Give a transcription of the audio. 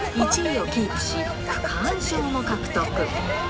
１位をキープし、区間賞も獲得。